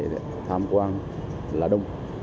và địa bàn để tham quan là đông